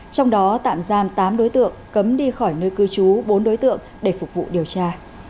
trong đó tạm giam tám đối tượng cấm đi khỏi nơi cư trú bốn đối tượng để phục vụ điều tra